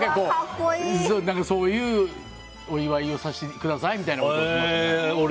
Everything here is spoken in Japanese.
そういうお祝いをさせてくださいみたいになって。